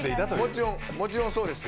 もちろんそうですよ。